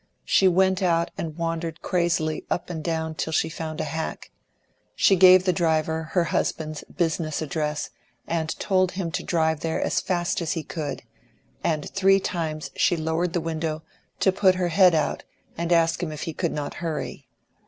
She went out and wandered crazily up and down till she found a hack. She gave the driver her husband's business address, and told him to drive there as fast as he could; and three times she lowered the window to put her head out and ask him if he could not hurry.